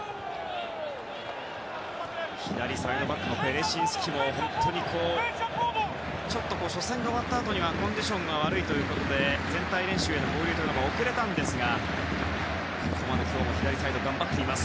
左サイドバックのベレシンスキもちょっと初戦が終わったあとにはコンディションが悪いということで全体練習への合流が遅れたんですがここまで今日も左サイドを頑張っています。